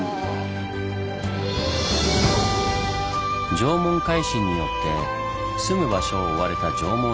縄文海進によって住む場所を追われた縄文人。